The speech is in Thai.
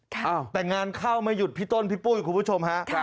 แต่งานเข้าไม่หยุดพี่ต้นพี่ปุ้ยคุณผู้ชมฮะ